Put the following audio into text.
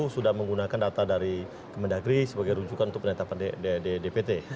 sudah menggunakan data dari kementerian negeri sebagai rujukan untuk penetapan dpd